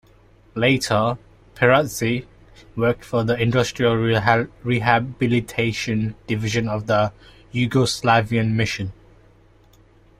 Later, Perazich worked for the Industrial Rehabilitation Division of the Yugoslavian Mission.